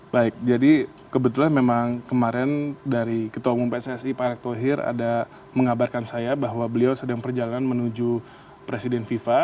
baik jadi kebetulan memang kemarin dari ketua umum pssi pak erick thohir ada mengabarkan saya bahwa beliau sedang perjalanan menuju presiden fifa